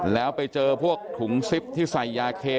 แล้วไปเจอพวกถุงซิปที่ใส่ยาเค